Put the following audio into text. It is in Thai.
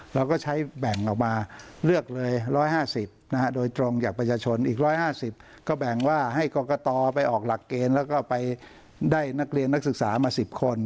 เราก็ใช้แบ่งออกมาเลือกเลยร้อยห้าสิบนะฮะโดยตรงจากประชาชนอีกร้อยห้าสิบก็แบ่งว่าให้กรกษ์กระต่อไปออกหลักเกณฑ์แล้วก็ไปได้นักเรียนนักศึกษามาสิบคน